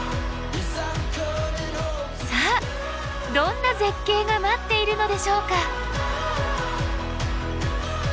さあどんな絶景が待っているのでしょうか？